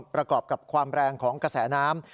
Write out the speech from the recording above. ประกอบกับความแรงของกระแสน้ำ